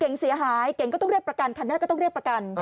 เสียหายเก่งก็ต้องเรียกประกันคันหน้าก็ต้องเรียกประกัน